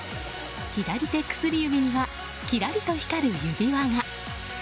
左手薬指にはきらりと光る指輪が。